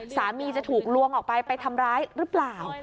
จะถูกลวงออกไปไปทำร้ายหรือเปล่า